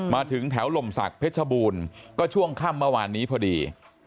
มาถึงแถวลมศักดิ์เพชรบูรณ์ก็ช่วงค่ำเมื่อวานนี้พอดี